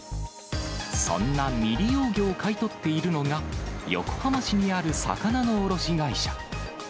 そんな未利用魚を買い取っているのが、横浜市にある魚の卸会社。